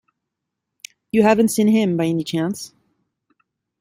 You haven't seen him, by any chance?